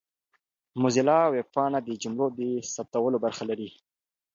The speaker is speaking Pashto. موزیلا ویبپاڼه د جملو د ثبتولو برخه لري.